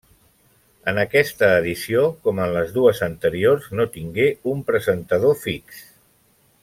En aquesta edició, com en les dues anteriors, no tingué un presentador fix.